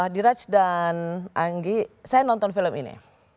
diraj dan anggi saya nonton film ini